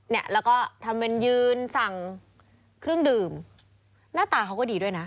เนี่ยแล้วก็ทำเป็นยืนสั่งเครื่องดื่มหน้าตาเขาก็ดีด้วยนะ